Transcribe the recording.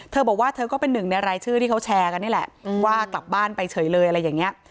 เธอบอกว่าเธอก็เป็นหนึ่งในรายชื่อที่เขาแชร์กันนี่แหละว่ากลับบ้านไปเฉยเลยอะไรอย่างนี้